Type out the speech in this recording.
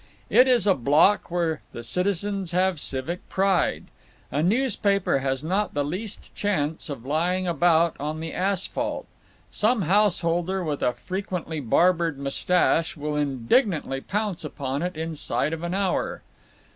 It is a block where the citizens have civic pride. A newspaper has not the least chance of lying about on the asphalt—some householder with a frequently barbered mustache will indignantly pounce upon it inside of an hour.